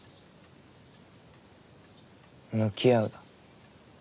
「向き合う」だ。